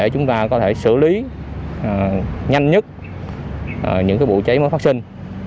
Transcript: chúng ta có thể xử lý nhanh nhất những vụ cháy mới phát sinh